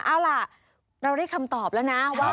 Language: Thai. เอาล่ะเราได้คำตอบแล้วนะว่า